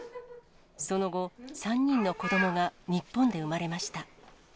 その後、３人の子どもが日本で産まれました。